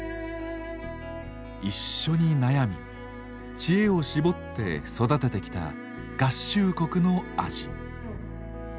一緒に悩み知恵を絞って育ててきた「合衆国」の味。